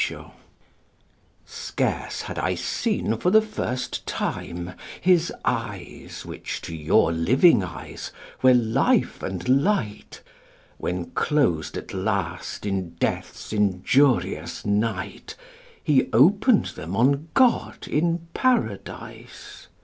_ Scarce had I seen for the first time his eyes Which to your living eyes were life and light, When closed at last in death's injurious night He opened them on God in Paradise.